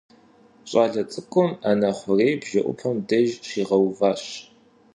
Щӏалэ цӏыкӏум ӏэнэ хъурейр бжэӏупэм деж щигъэуващ.